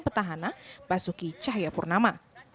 penantang petahana basuki cahyapurnama